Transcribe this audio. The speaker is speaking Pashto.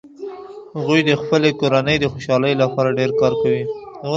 هغوي د خپلې کورنۍ د خوشحالۍ لپاره ډیر کار کوي